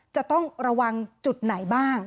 จะต้องระวังจุดไหนบ้าง